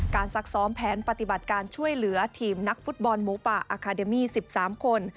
ซักซ้อมแผนปฏิบัติการช่วยเหลือทีมนักฟุตบอลหมูป่าอาคาเดมี่๑๓คน